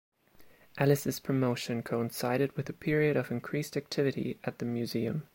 Ellis's promotion coincided with a period of increased activity at the museum.